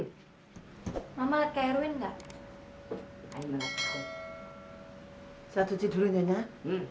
hai mama kaya rwinda hai satu tidurnya nih